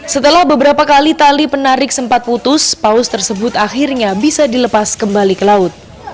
setelah beberapa kali tali penarik sempat putus paus tersebut akhirnya bisa dilepas kembali ke laut